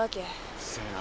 うっせえな。